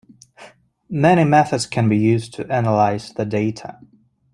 Many methods can be used to analyse the data.